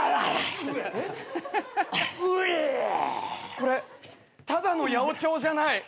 これただの八百長じゃない。